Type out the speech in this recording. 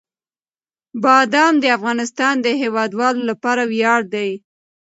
بادام د افغانستان د هیوادوالو لپاره ویاړ دی.